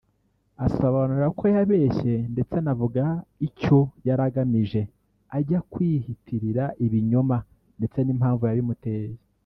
asobanura ko yabeshye ndetse anavuga icyo yari agamije ajya kwihitirira ibinyoma ndetse n’impamvu yabimuteye